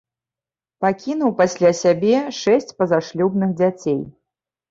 Пакінуў пасля сябе шэсць пазашлюбных дзяцей.